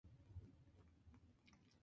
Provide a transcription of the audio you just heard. No soporta el trasplante.